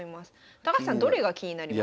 高橋さんどれが気になります？